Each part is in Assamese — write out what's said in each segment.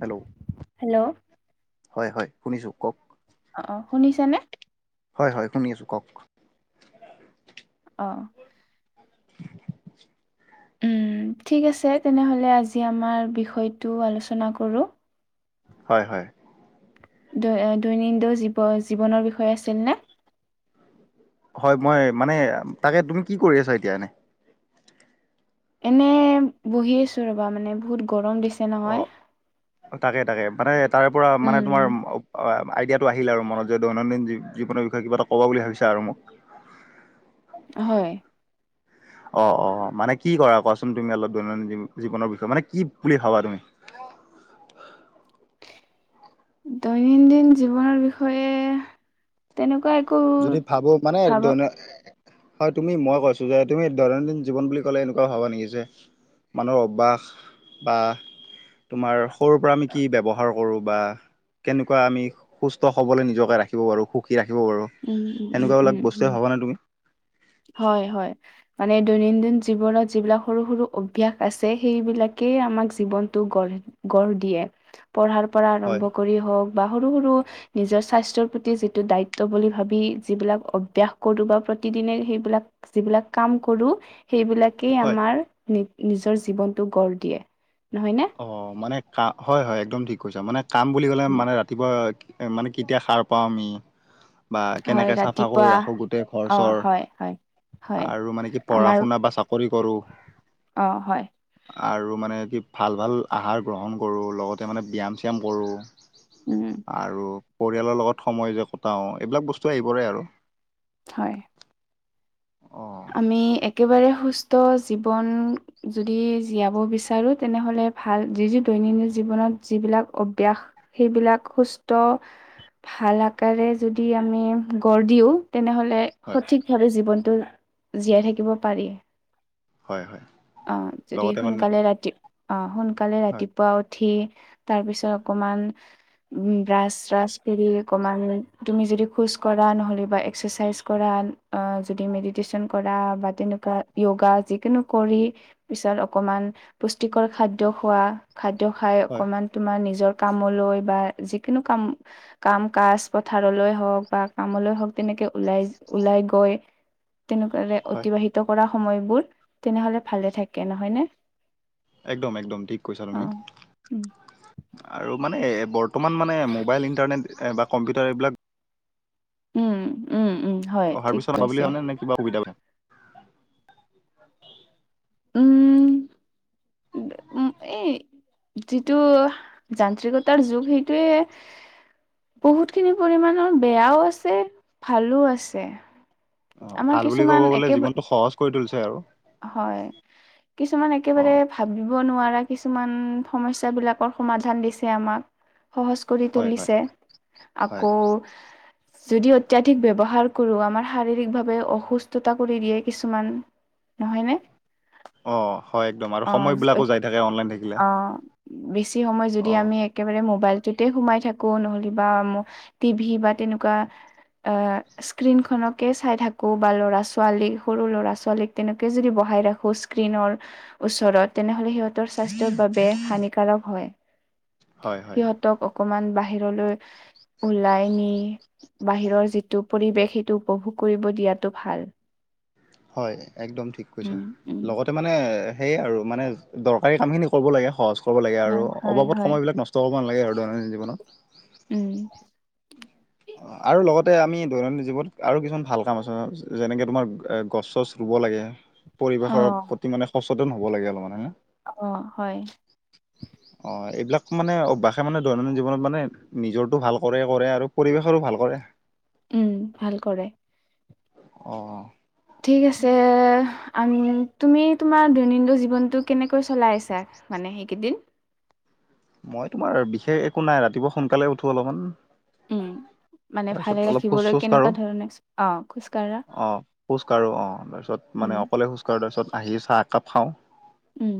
হেল্ল'। হেল্ল'। হয় হয়, শুনিছো কওক। অ', অ, শুনিছেনে? হয় হয়, শুনি আছোঁ, কক? অহ। [unintelligible] উম ঠিক আছে, তেনেহলে আজি আমাৰ বিষয়টো আলোচনা কৰো। হয় হয়। দৈ দৈনন্দিন জীৱ জীৱনৰ বিষয়ে আছিল নে? হয় মই মানে তাকে, তুমি কি কৰি আছা এতিয়া এনে। এনে বহি আছো ৰবা মানে বহুত গৰম দিছে। নহয় অ', তাকে তাকে, মানে তাৰে পৰা মানে উম তোমাৰ আইডিয়াটো আহিল আৰু মনত যে দৈনন্দিন জীৱনৰ বিষয়ে কিবা এটা ক'বা বুলি ভাবিছা আৰু মোক। হয়। অ', অ, মানে কি কৰা কোৱাচোন? তুমি অলপ দৈনন্দিন জীৱনৰ বিষয়ে মানে কি বুলি ভাবা তুমি? [unintelligible] দৈনন্দিন জীৱনৰ বিষয়ে তেনেকুৱা একো যদি ভাবো মানে ভাবা দৈন হয়, তুমি মই কৈছো যে তুমি দৈনন্দিন জীৱন বুলি ক'লে এনেকুৱা ভবা নিকি যে মানুহ অভ্যাস বা তোমাৰ সৰুৰ পৰা আমি কি ব্যৱহাৰ কৰোঁ বা কেনেকুৱা আমি সুস্থ হ'বলে নিজকে ৰাখিব পাৰোঁ, সুখী ৰাখিব পাৰোঁ। উম, উম, উম, সেনেকুৱাবিলাক উম, বস্তুৱে উম, ভাবানে তুমি? হয়, হয়। মানে দৈনন্দিন জীৱনত যিবিলাক সৰু সৰু অভ্যাস আছে, সেইবিলাকেই আমাক জীৱনটো গঢ় গঢ় দিয়ে। পঢ়াৰ পৰা হয় আৰম্ভ কৰি হওক বা সৰু সৰু নিজৰ স্বাস্থ্যৰ প্ৰতি যিটো দায়ি ত্ব বুলি ভাবি যিবিলাক অভ্যাস কৰো বা প্ৰতিদিনে সেইবিলাক যিবিলাক কাম কৰো। সেইবিলাকেই হয় আমাৰ নি নিজৰ জীৱনটো গঢ় দিয়ে। নহয় নে অ', মানে কা হয় হয় একদম ঠিক কৈছা, মানে কাম বুলি ক'লে উম, মানে ৰাতিপুৱা এ মানে কেতিয়া সাৰ পাও আমি বা হয় কেনেকে চাফা কৰি ৰাতিপুৱা ৰাখোঁ গোটেই অ ঘৰ-চৰ। হয় হয় হয় আৰু মানে কি পঢ়া আমাৰ শুনা বা চাকৰি কৰোঁ। অ', হয়। আৰু মানে কি ভাল ভাল আহাৰ গ্ৰহণ কৰোঁ, লগতে মানে ব্যায়াম-চ্যায়াম কৰোঁ। উম আৰু পৰিয়ালৰ লগত সময় যে কটাও এইবিলাক বস্তু আহি পৰে আৰু। হয়। অ আমি একেবাৰে সু সুস্থ জীৱন যদি জীয়াব বিচাৰো, তেনেহ'লে ভাল যি যি দৈনন্দিন জীৱন মনত যিবিলাক অভ্যাস সেইবিলাক সুস্থ ভাল আকাৰে যদি আমি গঢ় দিও, তেনেহ'লে হয় সঠিকভাৱে জীৱনটো জীয়াই থাকিব পাৰি। হয় হয়। অ', যদি লগতে মানে সোনকালে ৰাতি, অহ সোনকালে হয়, ৰাতিপুৱা উঠি তাৰপিছত অকমান উম, ব্ৰাছ চ্ৰাছ কৰি অকমান তুমি যদি খোজ কৰা নহ'লে বা এক্সাৰচাইজ কৰা যদি মেডিটেশ্যন কৰা বা তেনেকুৱা য়োগা যিকোনো কৰি পিছত অকমান পুষ্টিকৰ খাদ্য খোৱা, খাদ্য খাই হয়, অকমান তোমাৰ নিজৰ কামলৈ বা যিকোনো কাম, কাম-কাজ পথাৰলৈ হওঁক বা কামলৈ হওক তেনেকে ওলাই, ওলাই গৈ তেনেকুৱাৰে হয়, অতিবাহিত কৰা সময়বোৰ তেনেহলে ভালে থাকে নহয়নে? একদম-একদম ঠিক কৈছা অ তুমি উম আৰু মানে বৰ্তমান মানে মোবাইল ইণ্টাৰনেট বা কম্পিউটাৰ এইবিলাক উম, উম, উম। হয় অহাৰ ঠিক পিছত হব বুলি কৈছে [unintelligible] নে কিবা সুবিধা উম, উ এই যিটো যান্ত্ৰিকতাৰ যুগ সেইটোৱে বহুতখিনি পৰিমাণৰ বেয়াও আছে, ভালো আছে। অ, আমাৰ ভাল বুলি কিছুমান ক'ব গ'লে একেবাৰে জীৱনটো সহজ কৰি তুলিছে আৰু। হয়, কিছুমান একেবাৰে অ' ভাবি নোৱাৰা কিছুমান সমস্যা বিলাকৰ সমাধান দিছে আমাক। সহজ কৰি হয়, হয়, তুলিছে, হয়, আকৌ যদি অত্যাধিক ব্যৱহাৰ কৰোঁ আমাৰ শাৰীৰিকভাৱে অসুস্থতা কৰি দিয়ে কিছুমান নহয়নে? অ, হয় একদম আৰু সময় অ বিলাকো যাই থাকে অনলাইন থাক অ, বেছি সময় যদি আমি একেবাৰে মোবাইলটোতে সোমাই থাকো নহলে বা টিভি বা তেনেুকোৱা আহ স্ক্ৰীনখনকে চাই থাকো বা ল'ৰা-ছোৱালী, সৰু ল'ৰা-ছোৱালীক তেনেকে যদি বস হাই ৰাখো স্ক্ৰীনৰ ওচৰত তেনেহলে সিহঁতৰ স্বাস্থ্যৰ বাবে হানিকাৰক হয়। হয়, হয়, সিহঁতক অকমান বাহিৰলৈ ওলাই নি বাহিৰৰ যিটো পৰিৱেশ সেইটো উপভোগ কৰিব দিয়াটো ভাল। হয়, একদম ঠিক কৈছা, উম, উম। লগতে মানে সেয়ে আৰু মানে দৰকাৰী কামখিনি কৰিব লাগে, সহজ কৰিব লাগে আৰু হয়, হয়, অবাবত হয়, সময়বিলাক নষ্ট কৰিব না লাগে আৰু দৈনন্দিন জীৱনত। উম। আৰু লগতে আমি দৈনন্দিন জীৱনত আৰু কিছুমান ভাল কাম আছে যেনেকে তোমাৰ গছ-চছ ৰুব লাগ পৰিবেশৰ অ', প্ৰতি মানে সচেতন হব লাগে অলপ মানে হ অ, হয়। অ, এইবিলাক মানে অভ্যাসে মানে দৈনন্দিন জীৱনত মানে নিজৰটো ভাল কৰে কৰে আৰু পৰিৱেশৰো ভাল কৰে। উম, ভাল কৰে। অ ঠিক আছে, আ তুমি তোমাৰ দৈনন্দিন জীৱনটো কেনেকৈ চলাই আছা মানে। এইকেইদিন মই তোমাৰ বিশেষ একো নাই ৰাতিপুৱা সোনকালে উঠো অলপমান উম। মানে ভালে তাৰপিছত অলপ ৰাখিবলৈ খোজ-চোজ কাঢ়ো, কেনেকুৱা ধৰণে অ খোজকাঢ়া অ খোজ কাঢ়ো অ, তাৰপিছত মানে উম নে অকলে খোজ কাঢ়ো, তাৰপিছত আহি চাহ একাপ খাওঁ। উম।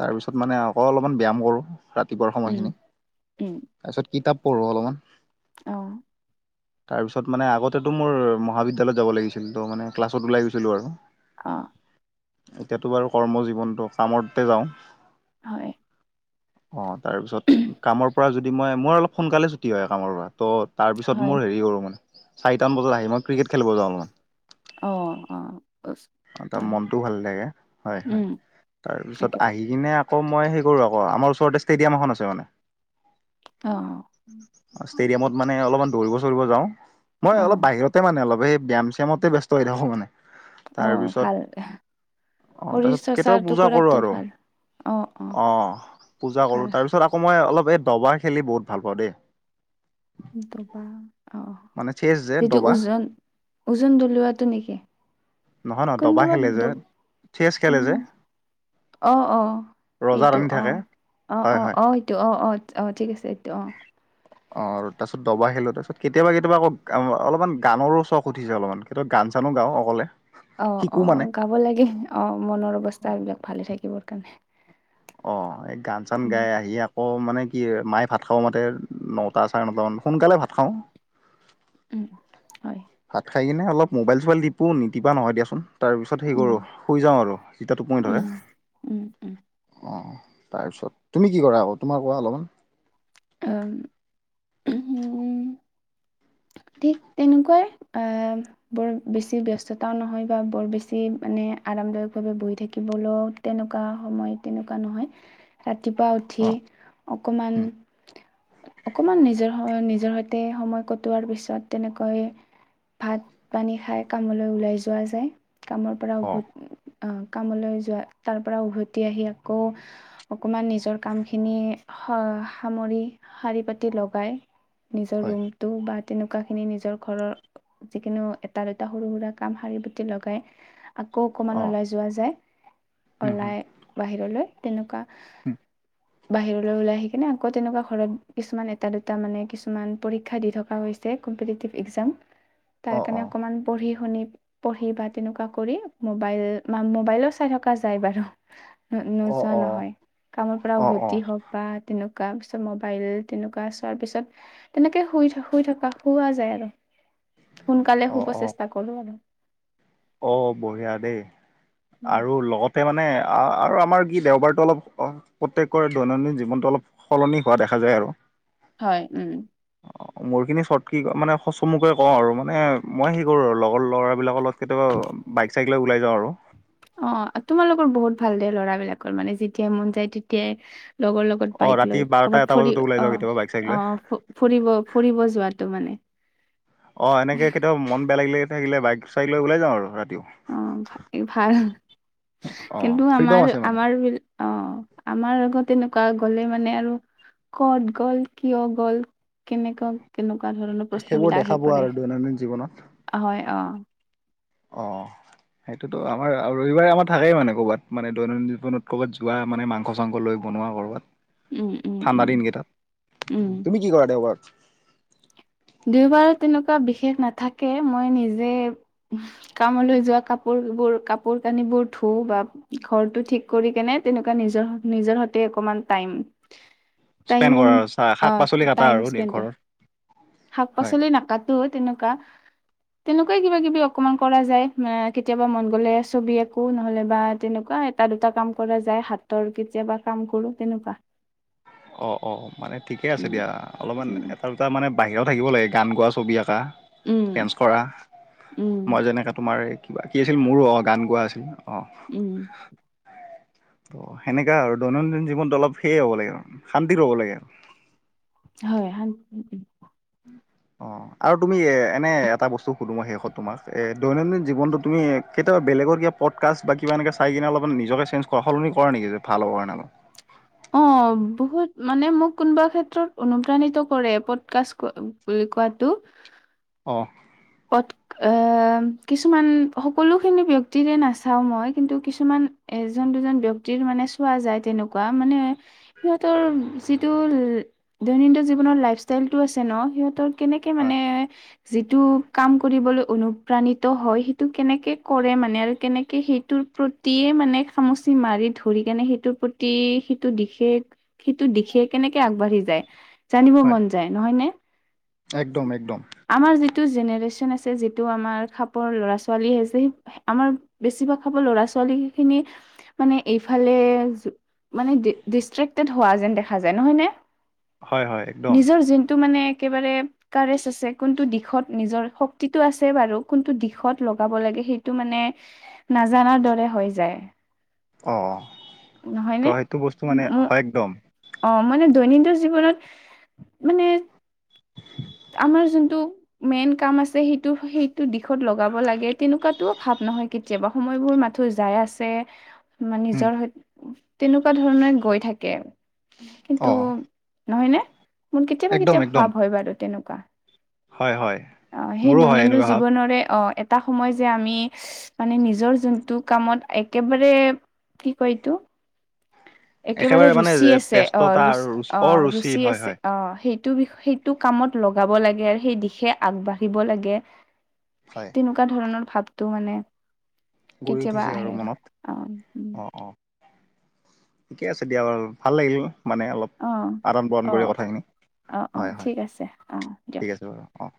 তাৰপিছত মানে আকৌ অলপমান ব্যায়াম কৰোঁ ৰাতিপুৱাৰ উম সময়খিনি, তাৰপিছত কিতাপ পঢ়ো অলপমান। আহ। তাৰপিছত মানে আগতেতো মোৰ মহাবিদ্যালয়ত যাব লাগিছিল, ত' মানে ক্লাছত ওলাই গৈছিলো আৰু। অ। এতিয়াতো বাৰু কৰ্ম জীৱনটো কামতে যাওঁ। হয়। অ, তাৰপিছত কামৰ পৰা যদি মই, মোৰ অলপ সোনকালে ছুটি হয় কামৰ পৰা। ত' তাৰপিছত হয় মোৰ হেৰি কৰোঁ মানে চাৰিটান বজাত আহি মই ক্ৰিকেট খেলিব যাওঁ অলপমান। অ অ উচ- অ তাৰ হয় মনটো ভাল লাগে হয় হয় উম তাৰপিছত একে আহি কিনে আ আকৌ মই সেই কৰো আকৌ আমাৰ ওচৰতে ষ্টেডিয়াম এখন আছে মানে অ ষ্টেডিয়ামত মানে অলপমান দৌৰিব চৌৰিব যাওঁ অ মই অলপ বাহিৰতে মানে অলপ সেই ব্যায়াম চামতে ব্যস্ত হৈ থাকো মানে অ ভাল অ শৰীৰ তাৰপিছত কেতিয়াবা চৰ্চাটো পূজা কৰো কৰাটো আৰু ভাল অ পূজা ভাল কৰো তাৰপিছত আকৌ মই অলপ এই দবা খেলি বহুত ভাল পাওঁ দেই ত বা আহ মানে চেছ যে সেইটো দবা ওজন ওজন দলিৱাটো নেকি নহয় নহয় দবা খেলে যে কণ্ডোৱাতটো চেছ খেলে যে অ অ ৰজা সেইটো ৰাণী অ থাকে। অ হয় অ হয় অ সেটো অ অ অ ঠিক আছে এইটো অ অ আৰু তাৰপিছত দবা খিলো তাৰপিত কেতিয়াবা কেতিয়াবা আকৌ অলপমান গানৰো চখ উঠিছে অলপমান কেতিয়াবা গান ধান চানো গাওঁ অকলে অ অ শিকো মানে গাব লাগিল অ মনৰ অৱস্থা এই বিলাক ভালে থাকিবৰ কাৰণে অ এই গান চান উম, গাই আহি আকৌ মানে কি মায়ে ভাত খাওঁ মাতে নটা চাৰে নট মান সোনকালে ভাত খাওঁ উম হয় চাই কিনেল মবাইল চোাইল দপো নিদিবা নহয়িয়াচোন তাৰ পিছত সেই উম, কৰোঁ শুই যাওঁ আৰু জিতা টোপনি ধৰে উম, উম, উম, অঁ তাৰপিছত তুমি কি কৰা আকৌ তোমাৰ কোৱা অলপমান উম ঠিক তেনেকুৱাই বৰ বেছি ব্যস্ততাও নহয় বা বৰ বেছি মানে আৰামদায়ক ভাৱে বহি থাকিবলৈও তেনেকুৱা সময় তেনেকুৱা নহয় ৰাতিপুৱা উঠি অ', অকণমান উম। অকমান নিজৰ নিজৰ সৈতে সময় কটোৱাৰ পেছি ছত তেনেকৈ ভাত পানী খাই কামলৈ ওলাই যোৱা যায় কামৰ পৰা অ'। উভতি কামলৈ যোৱা তাৰ পৰা উভতি আহি আকৌ অকণমান নিজৰ কামখিনি সামৰি শাৰী পাতি লগাই নিজৰ হয়, ৰুমটো বা তেনেকুৱা খিনি নিজৰ ঘৰৰ যিিকিনু এটা দুটা সৰু সুৰা কাম শাৰী বুটি লগাই আকৌ অকণমান অ', ওলাই যোৱা যায় উম, হুম, ওলাই বাহিৰলৈ তেনেকুৱা [unintelligible] বাহিৰলৈ ওলাই আহি কিনে আকৌ তেনেকুৱা ঘৰত কিছুমান এটা দুটা মানে কিছুমান পৰীক্ষা দি থকা হৈছে অ', অ', প পঢ়ি বা তেনেকুৱা কৰি মবাইল মোবাইলো চাই থকা যায় বাৰু ন অ', নোযোৱা অ', অ', নহয় কামৰ পৰা অ', উভতি হওক বা তেনেক তাৰ পিছত মবাইল তেনেকুৱা চোৱাৰ পিছত তেনেকে শুই থ শুই থকা শুৱা যায় আৰু সোনকালে অ', শুব অ'। চেষ্টা কৰোঁ আৰু অ বঢ়িয়া দেই আৰু লগতে মানে আৰু আমাৰ কি দেওবাৰতটো অলপ প্ৰত্যেকৰে দৈনন্দিন জীৱনটো অলপ সলনি হোৱা দেখা যায় আৰু হয় উম অ মোৰ খিনি চট কি মানে চমুকে কওঁ আৰু মানে মই সেই কৰো আৰু লগৰ ল'ৰাবলাকৰ লগত কেতিয়াবা বাইক চাইক লে ওলাই যাওঁ আৰু অ তোমালোকৰ বহুত ভাল দে ল'ৰাবলাকৰ মানে যেতিয়াই মন যায় তেতিয়াই লগৰ লগত অ', বাইক ৰাতি লৈ বাৰটা কৰ'ৰবাত এটা ফৰি বজাতো ওলাই অ যাওঁ কেতিয়াবা বাইক চাইক লৈ। অ ফুৰিব ফুৰিব যোৱাতো মানে অ এনেকে কেতিয়াওান বেয়া লাগিলে থাকিলে বাইক চাইক লৈ ওলাই যা আৰু ৰা অ ভাল অ', কিন্তু ফ্ৰীডম আমাৰ আছে মানে -আমাৰ বিল অ, আমাৰ লগত তেনে কোৱা গ'লে মানে আৰু কত গ'ল, কিয় গ'ল কেনেকুৱা-কেনেকুৱা ধৰণৰ প্ৰশ্ন সেইবোৰ বিলাক দেখা আহি পোৱা পৰে আৰু দৈনন্দিন জীৱনত। হয় অ, অ', সেইটোতো আমাৰ আৰু ৰবিবাৰে আমাৰ থাকেই মানে ক'বাত মানে দৈনন্দিন জীৱনত ক'বাত যোৱা মানে মাংস-চাংস লৈ বনোৱা উম উম কৰ'বাত ঠাণ্ডা উম দিনকেইটাত উম তুমি কি কৰা দেওবাৰত? দুওবাৰে তেনেকুৱা বিশেষ নাথাকে মই নিজে [unintelligible] কামলৈ যোৱা কাপোৰ [unintelligible] কাপোৰ কানিবোৰ ধু বা ঘৰটো ঠিক কৰি কেনে তেনেকুৱা নিজৰ- নিজৰ হতে অকমান স্পেণ্ড টাইম-টাইম কৰা আৰু চা অ, শাক পাচলি কাটা আৰু নি স্পেণ্ড ঘৰৰ। শাক-পাচলি নাকাতো তেনেকুৱা তেনেকুৱাই কিবা কিবি অকমান কৰা যায় কেতিয়াবা মন গলে ছবি আকো নহলে বা তেনেকুৱা এ এটা, দুটা কাম কৰা যায় হাতৰ কেতিয়াবা কাম কৰো তেনেকুৱা। অ', অ', মানে ঠিকে আছে উম দিয়া অলপমান উম এটা, দুটা মানে বাহিৰত থাকিব লাগে গান গোৱা ছবি আঁকা উম ডেন্স কৰা উম মই যেনেকা তোমাৰ এই কিবা কি আছিল মোৰো অ, গান গোৱা আছিল উম, অ, সেনেকা আৰু দৈনন্দিন জীৱনটো অলপ সেয়ে হ'ব লাগে আৰু শান্তিত হ'ব লাগে আৰু। হয় শান্তি অ, আৰু তুমি এ এনে এটা বস্তু সুধো মই শেষত তোমাক এ দৈনন্দিন জীৱনটো তুমি কেতিয়াবা বেলেগৰ কিব পড কাষ্ট বা কিবা এনেকে চাই কিনে অলপমান নিজকে চেঞ্জ কৰা সলনি কৰা নেকি? [unintelligible] ভাল হব কাৰনে অলপ। অ', বহুত মানে মোক কোনোবা ক্ষেত্ৰত অনুপ্ৰাণিত কৰে পদকাষ্ট [unintelligible] কোৱাটো? অ', পদ আহ, কিছুমান সকলোখিনি ব্যক্তিৰে নাচাও মই কিন্তু কিছুমান এজন দুজন ব্যক্তিৰ মানে চোৱা যায় তেনেকুৱা মানে, সিহঁতৰ যিটো দৈনন্দিন জীৱনৰ লাইফষ্টাইলটো আছে ন' সিহঁতৰ কেনেকৈ হয় মানে, যিটো কাম কৰিবলৈ অনুপ্ৰাণিত হয় সেইটো কেনেকে কৰে মানে আৰু কেনেকে সেইটোৰ প্ৰতিয়ে মানে খামুচি মাৰি ধৰি কেনে সেইটোৰ প্ৰতি, সেইটো দিশে, সেইটো দিশে কেনেকে আগ বাঢ়ি যায়, জানিব হয় মন যায় নহয় নে, একদম একদম। আমাৰ যিটো জেনেৰে চন আছে যিটো আমাৰ খাপৰ ল'ৰা ছোৱালী আছে আমাৰ বেছিভাগ খাপৰ লৰা ছোৱালী খিনি মানে এইফালে মানে ডিষ্ট্ৰেক্টেড হোৱা যেন দেখা যায় নহয় নে? হয় হয় একদম নিজৰ যোনটো মানে একেবাৰে কাৰেজ আছে কোনটো দিশত নিজৰ শক্তিটো আছে বাৰু কোনটো দিশত লগাব লাগে সেইটো মানে নাজানাৰ দৰে হৈ যায়। অ নহয় ত নে, সেইটো বস্তু মানে উম, হয় একদম। অ, মানে দৈনন জীৱনত, মানে, আমাৰ যোনটো মেন কাম আছে সেইটো-সেইটো দিশত লগাব লাগে তেনেকুৱাতোও ভাৱ নহয় কেতিয়াবা সময়বোৰ মাথ যাই আছে। মানে উম নিজৰ, তেনেকুৱা ধৰণে গৈ থাকে, কিন্তু অ নহয় নে, মোৰ কেতিয়াবা একদম কেতিয়াবা একদম। ভাব তেনেকুৱা, হয় হয় অ, সেই মোৰো হয় দৈনন্দিন এনেকুৱা ভাৱ জীৱনৰে অ, এ এটা সময় যে আমি, মানে নিজৰ যোনটো কামত একেবাৰে কি কয় এইটো? একেবাৰে মানে ৰুচি আছে অ ব্যস্ততা আৰু অ অৰুচি ৰুচি হয় আছে হয়। অ সেই টো বি সেইটো কামত লগাব লাগে আৰু সেই দিশে আগবাঢ়িব লাগে। হয় তেনেকুৱা ধৰণৰ ভাৱটো মানে গঢ়ি কেতিয়াবা উঠিছে আহে আৰু মনত। অ ওম অ অ ঠিকে আছে দিয়া বাৰু ভাল লাগিল মানে অলপ অ আদান প্ৰদান অ কৰি কথাখিনি অ অ হয় হয় ঠিক আছে অ দিয়ক ঠিক আছে বাৰু অ